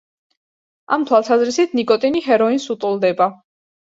ამ თვალსაზრისით ნიკოტინი ჰეროინს უტოლდება.